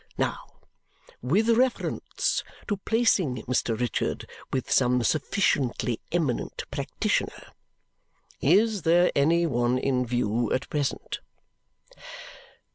Now, with reference to placing Mr. Richard with some sufficiently eminent practitioner. Is there any one in view at present?"